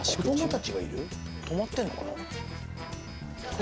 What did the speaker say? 泊まってんのかな？